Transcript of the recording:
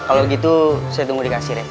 kalau gitu saya tunggu dikasih rem